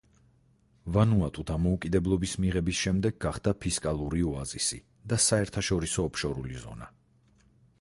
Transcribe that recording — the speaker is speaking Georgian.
ვანუატუ დამოუკიდებლობის მიღების შემდეგ გახდა „ფისკალური ოაზისი“ და საერთაშორისო ოფშორული ზონა.